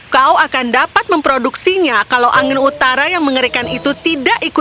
kau akan dapat memproduksinya kalau angin utara yang mengerikan itu tidak ikut